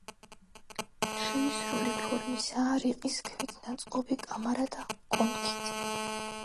შეისრული ფორმისაა რიყის ქვით ნაწყობი კამარა და კონქიც.